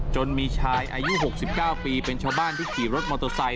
จนมีชายอายุ๖๙ปีเป็นชาวบ้านที่ขี่รถมอเตอร์ไซค